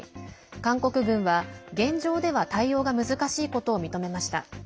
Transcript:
韓国軍は、現状では対応が難しいことを認めました。